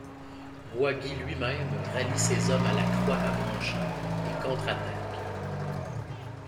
Boisguy, lui-même, rallie ses hommes à La Croix-Avranchin et contre-attaque.